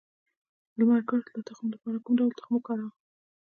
د لمر ګل د تخم لپاره کوم ډول تخم وکاروم؟